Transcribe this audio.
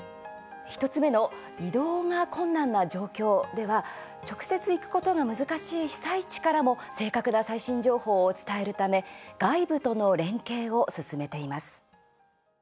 １つ目の移動が困難な状況では直接、行くことが難しい被災地からも正確な最新情報を伝えるため外部との連携を進めています。